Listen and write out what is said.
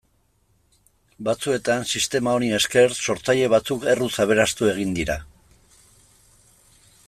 Batzuetan, sistema honi esker, sortzaile batzuk erruz aberastu egin dira.